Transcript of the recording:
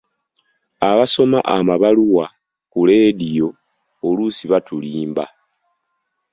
Abasoma amabaluwa ku leediyo oluusi batulimba.